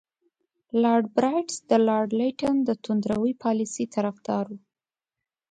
لارډ رابرټس د لارډ لیټن د توندروي پالیسۍ طرفدار وو.